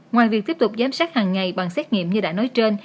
ngoài việc tiếp tục giám sát hàng ngày bằng xét nghiệm như đã nói trên